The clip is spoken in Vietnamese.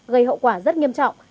gây hậu quả rất nghiêm trọng